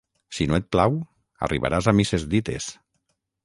Si no et plau, arribaràs a misses dites.